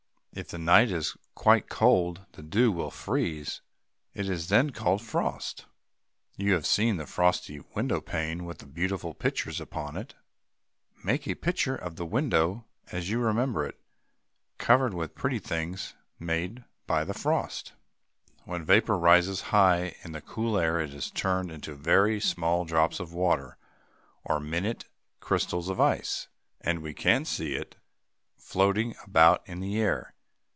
If the night is quite cold, the dew will freeze. It is then called frost. You have seen the frosty window pane with the beautiful pictures upon it. Make a picture of the window as you remember it, covered with the pretty things made by the frost. [Illustration: "WHEN VAPOR RISES HIGH IN THE COOL AIR."] When vapor rises high in the cool air it is turned into very small drops of water or minute crystals of ice, and we can see it floating about in the air.